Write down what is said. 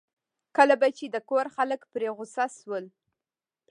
کله به چې د کور خلک پرې په غوسه شول.